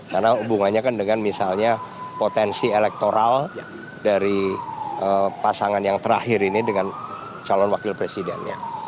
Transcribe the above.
karena hubungannya kan dengan misalnya potensi elektoral dari pasangan yang terakhir ini dengan calon wakil presidennya